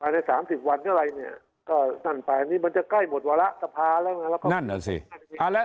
ไปใน๓๐วันก็อะไรเนี่ยก็นั่นไปอันนี้มันจะใกล้หมดวาระสภาแล้วนะ